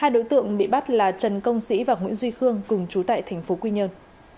hai đối tượng bị bắt là trần công sĩ và nguyễn duy khương cùng chú tại tp quy nhơn